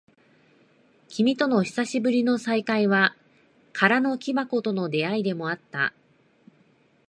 君との久しぶりの再会は、空の木箱との出会いでもあった。